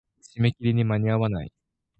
締め切りに間に合わない。